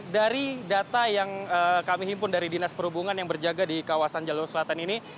dari data yang kami himpun dari dinas perhubungan yang berjaga di kawasan jalur selatan ini